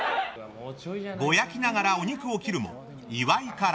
ぼやきながらお肉を切るも岩井から。